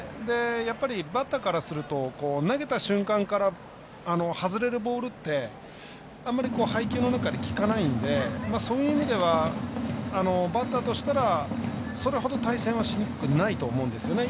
やっぱり、バッターからすると投げた瞬間から外れるボールってあんまり配球の中できかないんでそういう意味ではバッターとしたらそれほど対戦はしにくくないと思うんですね